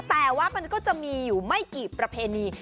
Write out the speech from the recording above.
แต่ว่ามันก็จะมีอยู่ไม่กี่ประเพณี